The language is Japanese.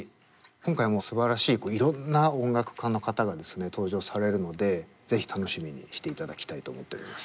今回もすばらしいいろんな音楽家の方がですね登場されるので是非楽しみにしていただきたいと思っております。